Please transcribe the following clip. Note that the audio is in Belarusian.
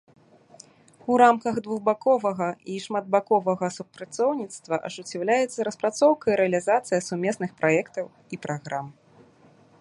У рамках двухбаковага і шматбаковага супрацоўніцтва ажыццяўляецца распрацоўка і рэалізацыя сумесных праектаў і праграм.